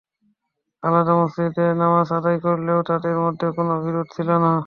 আলাদা মসজিদে নামাজ আদায় করলেও তাঁদের মধ্যে কোনো বিরোধ ছিল না।